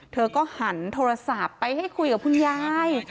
เธอก็หันโทรศัพท์ไปให้คุยกับคุณยาย